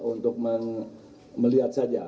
untuk melihat saja